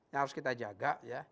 yang harus kita jaga